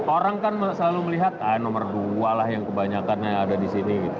orang kan selalu melihat nomor dua lah yang kebanyakan yang ada disini